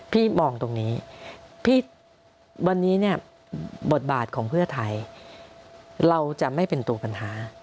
พี่มองตรงนี้พี่วันนี้เนี่ยบทบาทของเพื่อไทยเราจะไม่เป็นตัวปัญหา